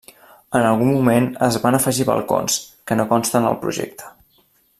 En algun moment es van afegir balcons, que no consten al projecte.